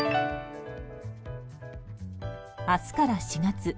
明日から４月。